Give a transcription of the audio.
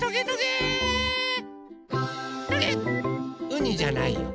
うにじゃないよ。